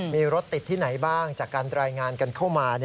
มีรถติดที่ไหนบ้างจากการรายงานกันเข้ามา